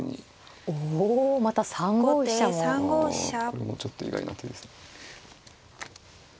これもちょっと意外な手ですね。